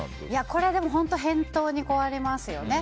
これは返答に困りますよね。